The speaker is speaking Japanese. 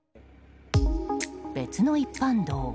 別の一般道。